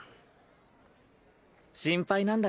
心配なんだ？